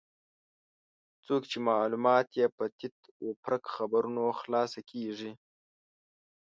څوک چې معلومات یې په تیت و پرک خبرونو خلاصه کېږي.